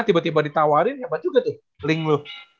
tiba tiba ditawarin hebat juga tuh link loh